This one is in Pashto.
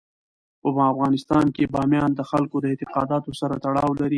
په افغانستان کې بامیان د خلکو د اعتقاداتو سره تړاو لري.